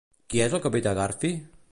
Qui és el capità Garfi?